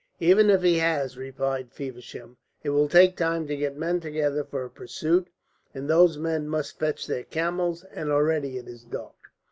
"Even if he has," replied Feversham, "it will take time to get men together for a pursuit, and those men must fetch their camels, and already it is dark."